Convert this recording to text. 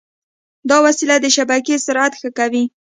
دا وسیله د شبکې سرعت ښه کوي.